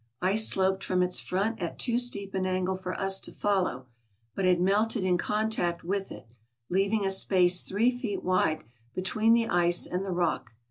Ice sloped from its front at too steep an angle for us to fol low, but had melted in contact with it, leaving a space three feet wide between the ice and the rock.